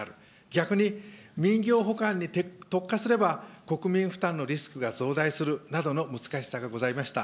逆に民業補完に特化すれば、国民負担のリスクが増大するなどの難しさがございました。